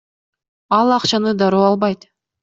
Ал акчаны дароо албайт.